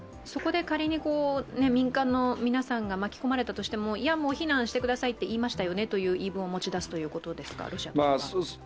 そこで仮に民間の皆さんが巻き込まれたとしても、いや、もう避難してくださいって言いましたよねという言い分を持ち出すということですか？